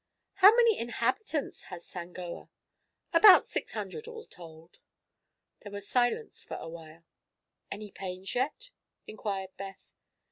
"How many inhabitants has Sangoa?" "About six hundred, all told." There was silence for a while. "Any pains yet?" inquired Beth.